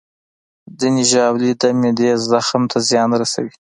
ځینې ژاولې د معدې زخم ته زیان رسوي.